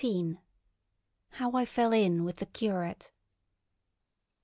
XIII. HOW I FELL IN WITH THE CURATE.